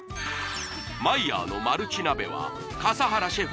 ＭＥＹＥＲのマルチ鍋は笠原シェフ